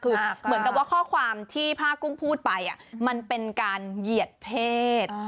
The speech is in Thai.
คือเหมือนกับว่าข้อความที่ผ้ากุ้งพูดไปมันเป็นการเหยียดเพศ